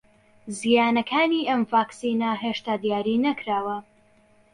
زیانەکانی ئەم ڤاکسینە هێشتا دیاری نەکراوە